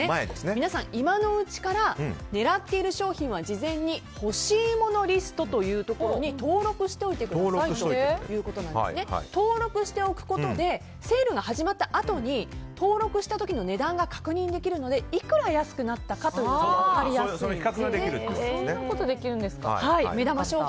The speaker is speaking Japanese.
皆さん今のうちから狙っている商品は事前に欲しいものリストというところに登録しておいてくださいと。登録しておくことでセールが始まったあとに登録した時の値段が確認できるのでいくら安くなったのかが分かりやすいと。